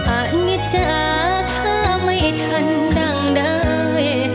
อันนี้จ้าข้าไม่ทันดั่งใด